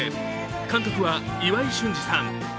監督は岩井俊二さん。